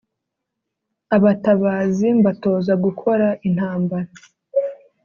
Abatabazi mbatoza gukora intambara